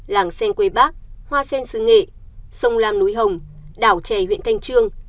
làng xen quế bắc hoa xen sứ nghệ sông lam núi hồng đảo trẻ huyện thanh trương